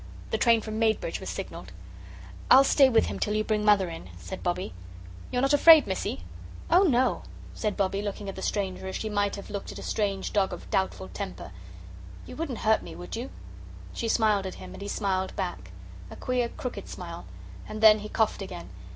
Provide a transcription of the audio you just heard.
The train from Maidbridge was signalled. "I'll stay with him till you bring Mother in," said Bobbie. "You're not afraid, Missie?" "Oh, no," said Bobbie, looking at the stranger, as she might have looked at a strange dog of doubtful temper. "You wouldn't hurt me, would you?" She smiled at him, and he smiled back, a queer crooked smile. And then he coughed again.